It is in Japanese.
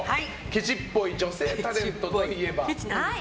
ケチっぽい女性タレントといえば？